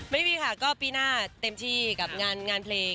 ไม่มีค่ะก็ปีหน้าเต็มที่กับงานเพลง